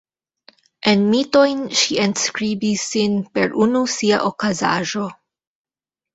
En mitojn ŝi enskribis sin per unu sia okazaĵo.